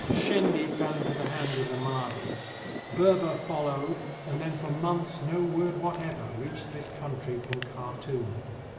Shendy fell into the hands of the Mahdi. Berber fol lowed, and then for months no word whatever reached this country from Khartoum.